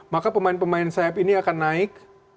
maka pemain pemain sayap ini akan naik